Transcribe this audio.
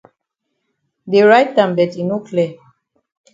Dey write am but e no clear.